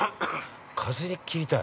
◆風を切りたい？